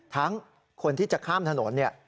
ทั้งคนที่จะข้ามถนนเนี่ย